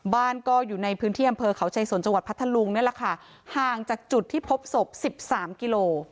บ้านก็อยู่ในพื้นที่อำเภอเขาชัยสนจังหวัดพัทธลุงนี่แหละค่ะห่างจากจุดที่พบศพสิบสามกิโล